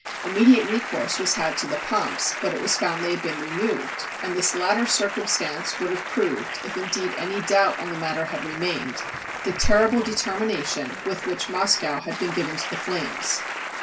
Immediate recourse was had to the pumps, but it was found they had been removed; and this latter circumstance would have proved, if in deed'any doubt on the matter had remained, the terrible determination with which Moscow had been given to the flames.